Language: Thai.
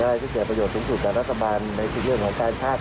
อะไรที่เสียประโยชน์ทุนทุกแต่รัฐบาลไม่คิดเรื่องของชาติศาสตร์